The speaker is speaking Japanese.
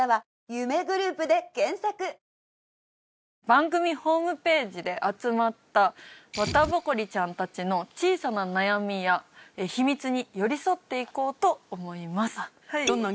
番組ホームページで集まったワタボコリちゃんたちの小さな悩みや秘密に寄り添っていこうと思います。